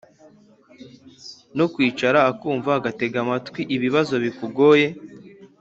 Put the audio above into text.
no kwicara akumva akanatega amatwi ibibazo bikugoye